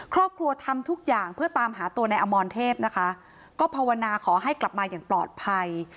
ครอบครัวทำทุกอย่างเพื่อตามหาตัวในอมรเทพนะคะก็ภาวนาขอให้กลับมาอย่างปลอดภัย